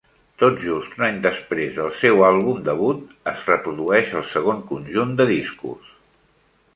Tot just un any després del seu àlbum debut es reprodueix el segon conjunt de discos.